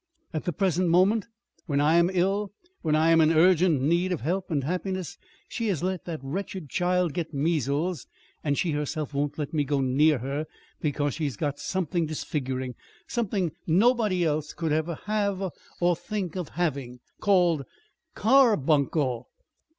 At the present moment, when I am ill, when I am in urgent need of help and happiness, she has let that wretched child get measles and she herself won't let me go near her because she has got something disfiguring, something nobody else could ever have or think of having, called CARBUNCLE.